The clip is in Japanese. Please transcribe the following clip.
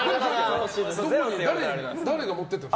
誰が持ってってるの？